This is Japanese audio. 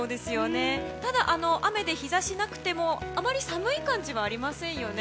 ただ雨で日差しがなくてもあまり寒い感じはありませんよね。